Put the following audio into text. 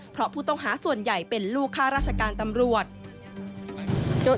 เพราะผู้ต้องหาส่วนใหญ่เป็นลูกค่าราชการตำรวจ